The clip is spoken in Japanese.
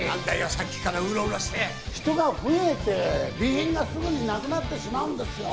さっきからウロウロして人が増えて備品がすぐになくなってしまうんですよ